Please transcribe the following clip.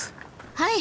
はい！